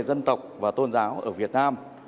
dân tộc và tôn giáo ở việt nam